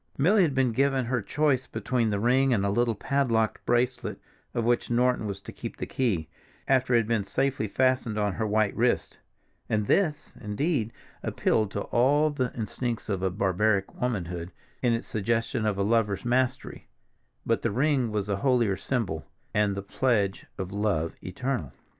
Milly had been given her choice between the ring and a little padlocked bracelet of which Norton was to keep the key, after it had been safely fastened on her white wrist, and this, indeed, appealed to all the instincts of barbaric womanhood, in its suggestion of a lover's mastery; but the ring was the holier symbol, and the pledge of love eternal.